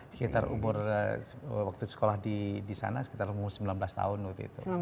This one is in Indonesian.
sekitar umur waktu sekolah di sana sekitar umur sembilan belas tahun waktu itu